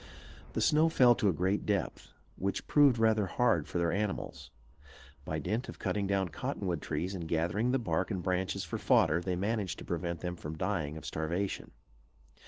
The snow fell to a great depth, which proved rather hard for their animals. By dint of cutting down cottonwood trees and gathering the bark and branches for fodder, they managed to prevent them from dying of starvation.